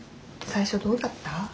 最初どうだった？